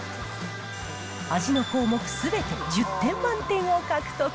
味の項目すべて１０点満点を獲得。